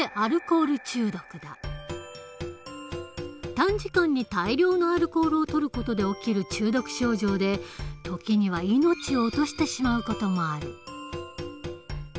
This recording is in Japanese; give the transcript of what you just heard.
短時間に大量のアルコールをとる事で起きる中毒症状で時には命を落としてしまう事もある。